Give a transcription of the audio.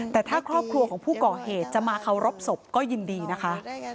แต่ถ้าครอบครัวของผู้ก่อเหตุจะมาเคารพศพก็ยินดีนะคะ